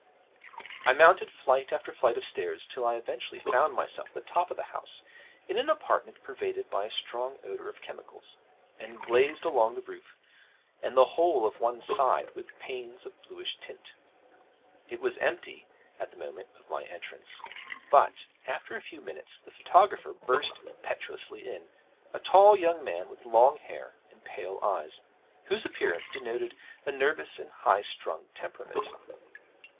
I mounted flight after flight of stairs, till I eventually found myself at the top of the house, in an apartment pervaded by a strong odour of chemicals, and glazed along the roof and the whole of one side with panes of a bluish tint. It was empty at the moment of my entrance, but, after a few minutes, the photographer burst impetuously in a tall young man, with long hair and pale eyes, whose appearance denoted a nervous and high strung temperament.